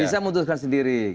bisa memutuskan sendiri